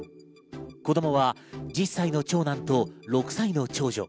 子供は１０歳の長男と６歳の長女。